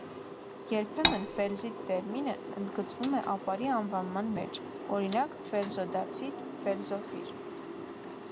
Երբեմն «ֆելզիտ» տերմինը ընդգծվում է ապարի անվանման մեջ (օրինակ, ֆելզոդացիտ, ֆելզոֆիր)։